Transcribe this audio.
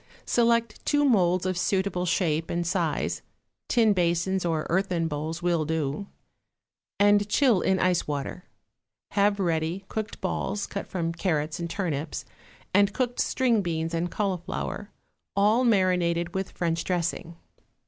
= Select two moulds of suitable shape and size (tin basins or earthen bowls will do) and chill in ice water. Have ready cooked balls, cut from carrots and turnips, and cooked string beans and cauliflower, all marinated with French dressing.